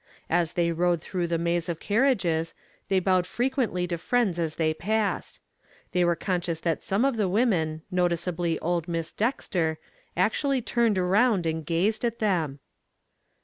As they rode through the maze of carriages, they bowed frequently to friends as they passed. They were conscious that some of the women, noticeably old Miss Dexter, actually turned around and gazed at them.